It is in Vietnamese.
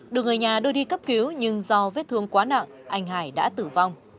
được người nhà đưa đi cấp cứu nhưng do vết thương quá nặng anh hải đã tử vong